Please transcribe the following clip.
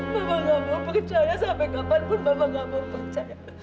bapak gak mau percaya sampai kapanpun bapak gak mau percaya